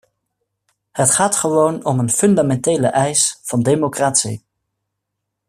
Het gaat gewoon om een fundamentele eis van democratie.